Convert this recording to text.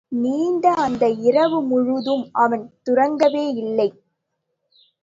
நீண்ட அந்த இரவு முழுதும் அவன் துரங்கவே இல்லை.